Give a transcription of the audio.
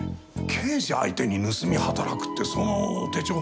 刑事相手に盗み働くってその手帳